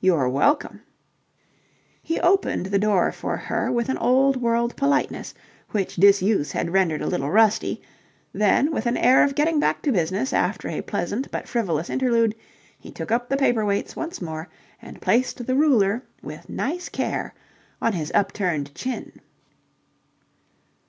"You're welcome." He opened the door for her with an old world politeness which disuse had rendered a little rusty: then, with an air of getting back to business after a pleasant but frivolous interlude, he took up the paper weights once more and placed the ruler with nice care on his upturned chin.